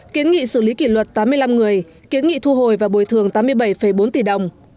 kiến nghị xử lý kỷ luật tám mươi năm người kiến nghị thu hồi và bồi thường tám mươi bảy bốn tỷ đồng